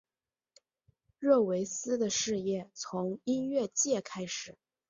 热维斯的事业从音乐界开始。